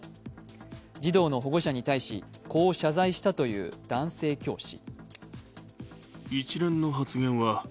児童の保護者に対しこう謝罪したという男性教師。